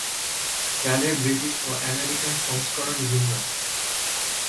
গানের ব্রিটিশ ও আমেরিকান সংস্করণ ভিন্ন।